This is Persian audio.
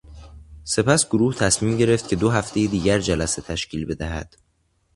سپس گروه تصمیم گرفت که دو هفتهی دیگر جلسه تشکیل بدهد.